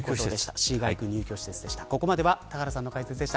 Ｃ街区入居施設でした。